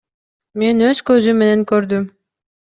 Мен өз көзүм менен көрдүм.